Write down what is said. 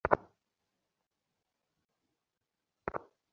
ধর্মগ্রন্থগুলোও বারবার মানুষকে ঈশ্বর বলেছে।